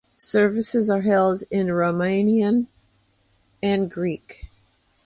Services are held in Romanian and Greek.